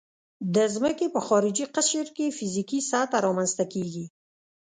د ځمکې په خارجي قشر کې فزیکي سطحه رامنځته کیږي